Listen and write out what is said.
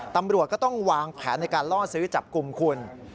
ตำรวจก็ต้องวางแผนในการล่อซื้อจับกลุ่มคุณ